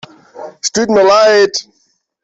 Es tut mir leid.